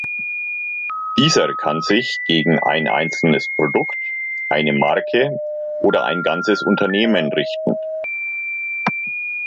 Dieser kann sich gegen ein einzelnes Produkt, eine Marke oder ein ganzes Unternehmen richten.